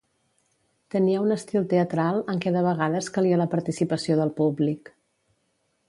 Tenia un estil teatral en què de vegades calia la participació del públic.